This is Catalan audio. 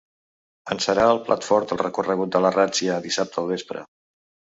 En serà el plat fort el recorregut de La ràtzia, dissabte al vespre.